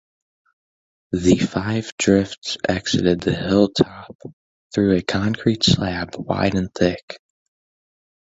The five drifts exited the hilltop through a concrete slab wide and thick.